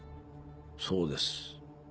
そうです。